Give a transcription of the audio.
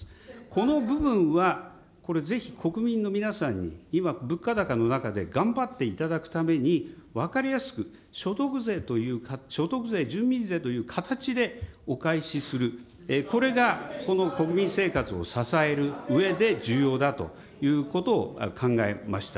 この部分はこれぜひ国民の皆さんに、今、物価高の中で頑張っていただくために分かりやすく所得税、住民税という形でお返しする、これがこの国民生活を支えるうえで重要だということを考えました。